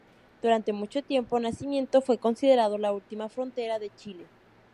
Durante mucho tiempo Nacimiento fue considerado la última frontera de Chile.